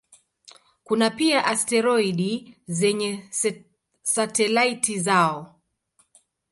Kuna pia asteroidi zenye satelaiti zao.